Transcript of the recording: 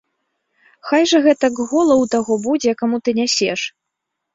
Хай жа гэтак гола ў таго будзе, каму ты нясеш.